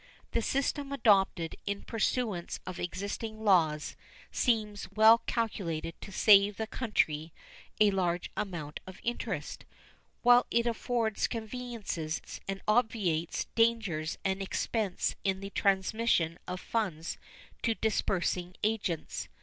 The system adopted in pursuance of existing laws seems well calculated to save the country a large amount of interest, while it affords conveniences and obviates dangers and expense in the transmission of funds to disbursing agents.